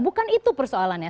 bukan itu persoalannya